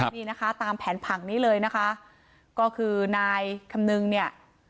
นี่นะคะตามแผนผังนี้เลยนะคะก็คือนายคำนึงเนี่ย